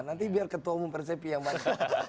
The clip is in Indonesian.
nanti biar ketua umum spsp yang banyak